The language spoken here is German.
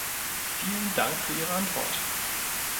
Vielen Dank für Ihre Antwort!